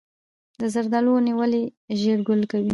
د زردالو ونې ولې ژر ګل کوي؟